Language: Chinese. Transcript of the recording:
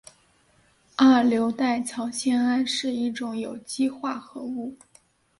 二硫代草酰胺是一种有机化合物。